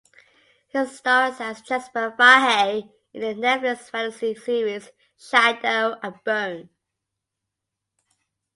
He stars as Jesper Fahey in the Netflix fantasy series "Shadow and Bone".